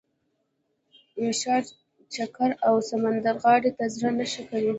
ښار چکر او سمندرغاړې ته زړه نه ښه کوي.